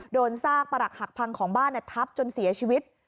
โดนซากประหลักหักพังของบ้านทับจนเสียชีวิต